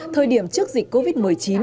thời điểm trước dịch covid một mươi chín